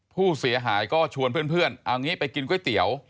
ผู้เสียหายก็ชวนเพื่อนเอางี้ไปกินก๋วยเตี๋ยว